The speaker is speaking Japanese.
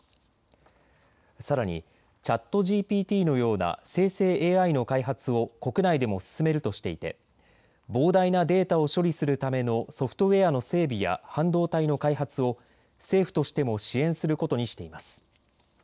さらにＣｈａｔＧＰＴのような生成ＡＩの開発を国内でも進めるとしていて膨大なデータを処理するためのソフトウエアの整備や半導体の開発を政府としても支援することにしています。